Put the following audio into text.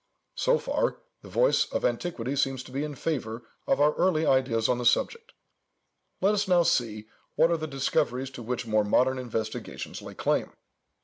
So far, the voice of antiquity seems to be in favour of our early ideas on the subject; let us now see what are the discoveries to which more modern investigations lay claim.